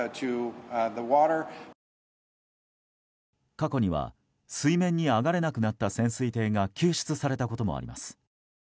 過去には水面に上がれなくなった潜水艇が救出されたこともあります。